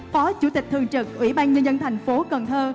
phó chủ tịch thường trực ủy ban nhân dân thành phố cần thơ